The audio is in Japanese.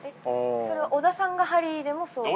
◆それは小田さんがハリーでもそうですか。